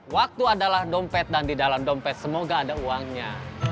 waktu adalah dompet dan di dalam dompet semoga ada uangnya